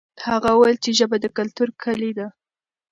هغه وویل چې ژبه د کلتور کلي ده.